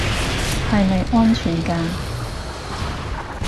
係咪安全㗎